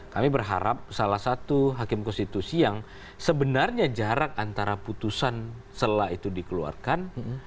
kami berharap salah satu hakim konstitusi yang sebenarnya jarak antara putusan selah itu dikeluarkan